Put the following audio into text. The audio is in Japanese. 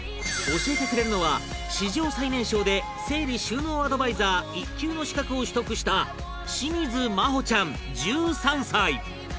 教えてくれるのは史上最年少で整理収納アドバイザー１級の資格を取得した清水麻帆ちゃん１３歳